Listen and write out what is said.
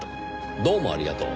どうもありがとう。